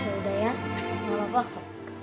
udah ya gak apa apa kok